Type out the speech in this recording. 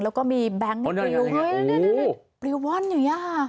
แล้วก็มีแบงค์นี้ปริววรรณอยู่